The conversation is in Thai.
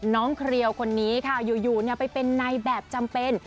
เครียวคนนี้ค่ะอยู่ไปเป็นในแบบจำเป็น